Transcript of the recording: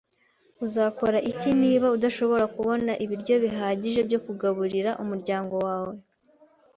Uzakora iki niba udashobora kubona ibiryo bihagije byo kugaburira umuryango wawe?